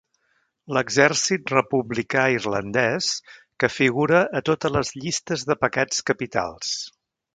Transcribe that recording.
L'exèrcit republicà irlandès que figura a totes les llistes de pecats capitals.